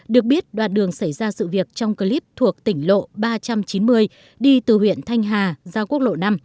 được biết đoạn đường xảy ra sự việc trong clip thuộc tỉnh lộ ba trăm chín mươi đi từ huyện thanh hà ra quốc lộ năm